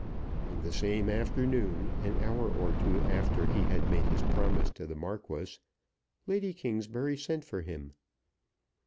On the same afternoon, an hour or two after he had made his promise to the Marquis, Lady Kingsbury sent for him.